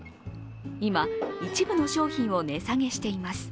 今、一部の商品を値下げしています